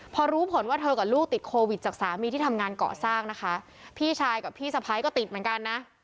พอรู้ผลว่าเธอกับลูกติดโควิดจากสามีที่ทำงานเกาะสร้างนะคะพี่ชายกับพี่สะพ้ายก็ติดเหมือนกันนะ